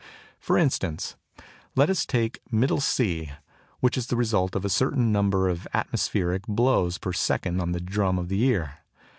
For instance, let us take middle C, which is the result of a certain number of atmospheric blows per second on the drum of the ear.